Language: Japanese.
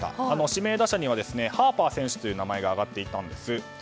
指名打者にはハーパー選手という名前が挙がっていたんです。